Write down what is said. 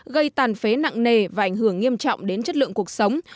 gây tàn phế nặng nề và ảnh hưởng nghiêm trọng đến chất lượng cuộc sống